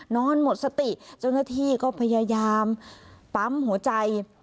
นอนหมดสติเจ้าหน้าที่ก็พยายามปั๊มหัวใจ